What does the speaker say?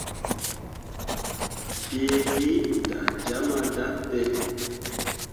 Piigi iŋ da jama dape.